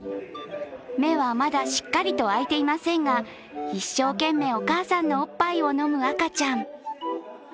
目はまだしっかりと開いていませんが一生懸命お母さんのおっぱいを飲む赤ちゃん。